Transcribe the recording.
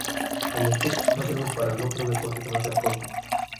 El stick no sirve para otro deporte que no sea el hockey.